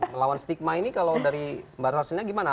melawan stigma ini kalau dari mbak raslina gimana